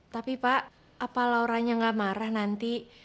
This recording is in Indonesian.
tapi pak apa lauranya nggak marah nanti